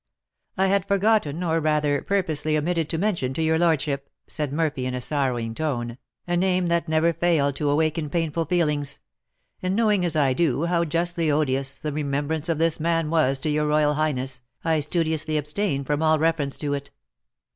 "I had forgotten, or, rather, purposely omitted to mention to your lordship," said Murphy in a sorrowing tone, "a name that never failed to awaken painful feelings; and knowing as I do how justly odious the remembrance of this man was to your royal highness, I studiously abstained from all reference to it."